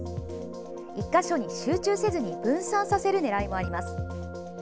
１か所に集中せずに分散させる狙いもあります。